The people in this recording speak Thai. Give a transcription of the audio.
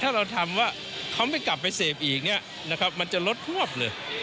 ถ้าเราทำว่าเขาไม่กลับไปเสพอีกเนี่ยนะครับมันจะลดฮวบเลย